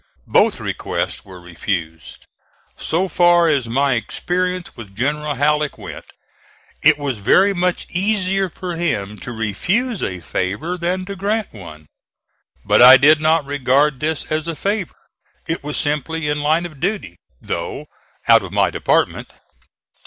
Both requests were refused. So far as my experience with General Halleck went it was very much easier for him to refuse a favor than to grant one. But I did not regard this as a favor. It was simply in line of duty, though out of my department.